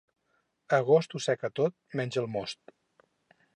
Agost ho seca tot, menys el most.